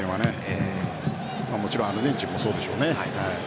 もちろんアルゼンチンもそうでしょうね。